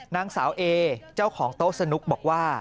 นางสาวเอเจ้าของโต๊ะสนุกบอกว่า